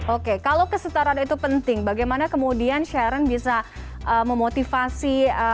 oke kalau kesetaraan itu penting bagaimana kemudian sharon bisa memotivasi